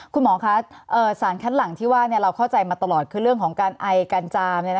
คุณหมอคะสารคัดหลังที่ว่าเราเข้าใจมาตลอดคือเรื่องของการไอการจาม